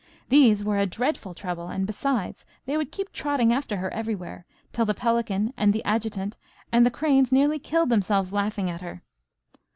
These were a dreadful trouble, and besides, they would keep trotting after her everywhere, till the pelican, and the adjutant, and the cranes nearly killed themselves laughing at her.